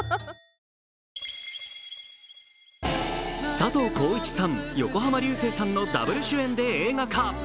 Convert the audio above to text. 佐藤浩市さん、横浜流星さんのダブル主演で映画化。